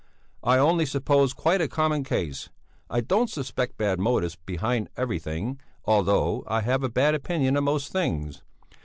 "I only supposed quite a common case I don't suspect bad motives behind everything, although I have a bad opinion of most things!